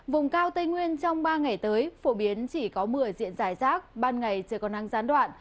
vùng cao tây nguyên trong ba ngày tới phổ biến chỉ có mưa diện giải rác ban ngày trời còn nắng gián đoạn